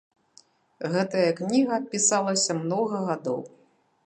Гэтая кніга пісалася многа гадоў.